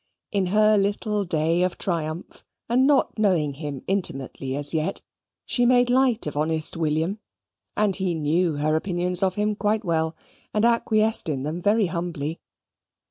In her little day of triumph, and not knowing him intimately as yet, she made light of honest William and he knew her opinions of him quite well, and acquiesced in them very humbly.